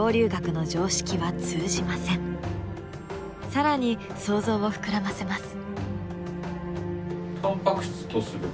更に想像を膨らませます。